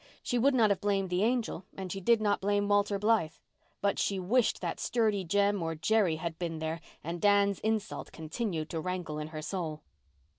She would not have blamed the angel and she did not blame Walter Blythe. But she wished that sturdy Jem or Jerry had been there and Dan's insult continued to rankle in her soul.